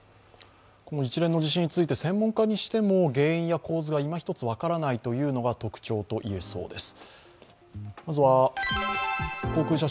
この一連の地震について、専門家にしても原因や構図がいまひとつ分からないというのが特徴といえそうです。